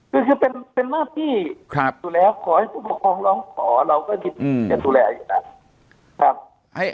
ก็คือเป็นหน้าที่ดูแลขอให้ผู้ประคองร้องขอเราก็จะดูแลอยู่นะครับ